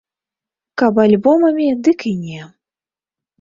Каб альбомамі, дык і не.